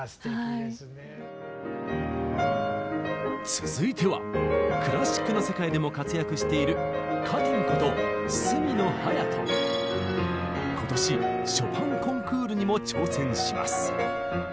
続いてはクラシックの世界でも活躍している今年ショパンコンクールにも挑戦します。